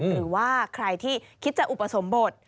หรือว่าใครที่คิดจะอุปสมบท